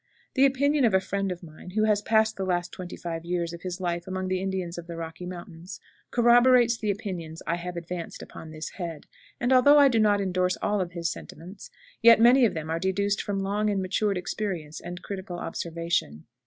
The opinion of a friend of mine, who has passed the last twenty five years of his life among the Indians of the Rocky Mountains, corroborates the opinions I have advanced upon this head, and although I do not endorse all of his sentiments, yet many of them are deduced from long and matured experience and critical observation.